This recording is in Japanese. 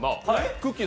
くっきー！